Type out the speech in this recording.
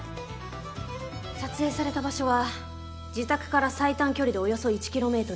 撮影された場所は自宅から最短距離でおよそ１ｋｍ。